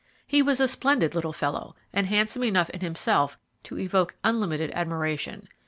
He was a splendid little fellow, and handsome enough in himself to evoke unlimited admiration.